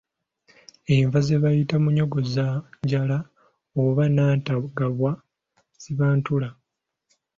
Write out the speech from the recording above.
Enva ze bayita munnyogozanjala oba Nantagabwa ziba ntula.